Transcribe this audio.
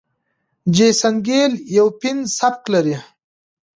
جیسن ګیل یو فن سبک لري.